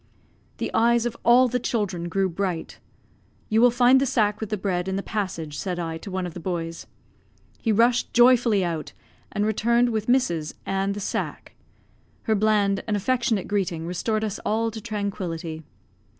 The eyes of all the children grew bright. "You will find the sack with the bread in the passage," said I to one of the boys. He rushed joyfully out, and returned with Mrs. and the sack. Her bland and affectionate greeting restored us all to tranquillity.